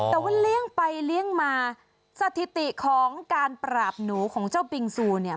แต่ว่าเลี้ยงไปเลี้ยงมาสถิติของการปราบหนูของเจ้าบิงซูเนี่ย